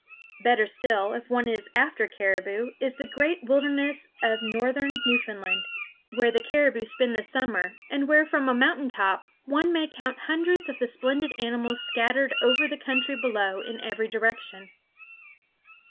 Better still, if one is after caribou, is the great wilderness of northern Newfoundland, where the caribou spend the summer and where from a mountain top one may count hundreds of the splendid animals scattered over the country below in every direction.